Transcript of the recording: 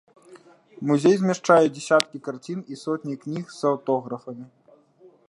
Музей змяшчае дзясяткі карцін, і сотні кніг з аўтографамі.